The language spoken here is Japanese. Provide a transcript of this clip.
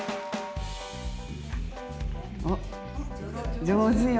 あっ上手よ。